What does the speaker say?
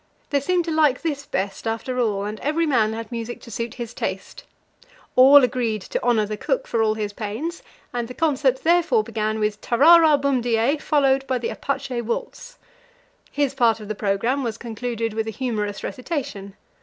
They seemed to like this best, after all, and every man had music to suit his taste. All agreed to honour the cook for all his pains, and the concert therefore began with "Tarara boom de ay," followed by the "Apache" waltz. His part of the programme was concluded with a humorous recitation.